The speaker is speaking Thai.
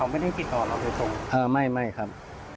ไม่ง่ายครับ